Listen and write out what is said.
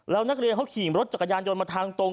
แล้วนักเรียนเขาขี่รถจักรยานยนต์มาทางตรง